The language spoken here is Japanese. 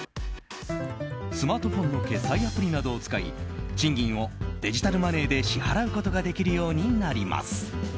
スマートフォンの決済アプリなどを使い賃金をデジタルマネーで支払うことができるようになります。